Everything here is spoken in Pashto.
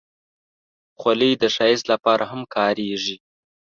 خولۍ د ښایست لپاره هم کارېږي.